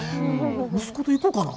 息子と行こかな。